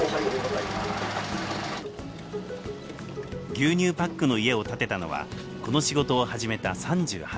牛乳パックの家を建てたのはこの仕事を始めた３８年前。